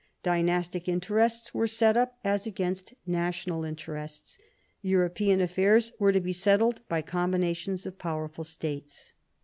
Dynastic interests were set up as against national interests. European affairs were to be settled by combinations of powerful states.